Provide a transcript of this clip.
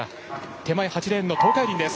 手前８レーンの東海林です。